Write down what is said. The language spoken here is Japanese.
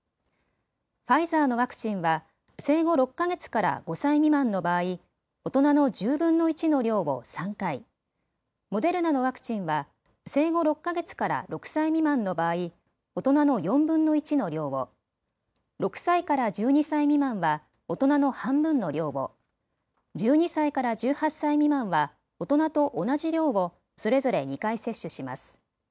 ファイザーのワクチンは生後６か月から５歳未満の場合、大人の１０分の１の量を３回、モデルナのワクチンは生後６か月から６歳未満の場合、大人の４分の１の量を、６歳から１２歳未満は大人の半分の量を、１２歳から１８歳未満は大人と同じ量をそれぞれ２回接種します。